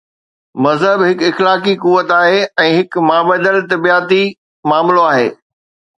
مذهب هڪ اخلاقي قوت آهي ۽ هڪ مابعد الطبعياتي معاملو آهي.